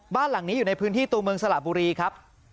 บ้านหลังนี้อยู่ในพื้นที่ตัวเมืองสระบุรีครับ